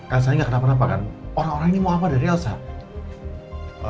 elsa nya enggak kenapa napa kan orang orang ini mau apa dari elsa